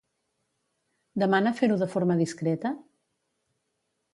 Demana fer-ho de forma discreta?